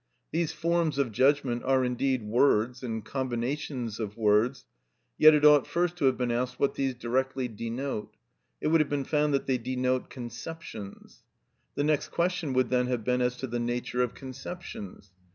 These forms of judgment are indeed words and combinations of words; yet it ought first to have been asked what these directly denote: it would have been found that they denote conceptions. The next question would then have been as to the nature of conceptions.